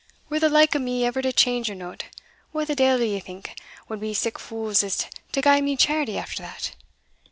Were the like o' me ever to change a note, wha the deil d'ye think wad be sic fules as to gie me charity after that?